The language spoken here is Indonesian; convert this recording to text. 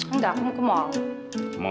enggak aku ke mall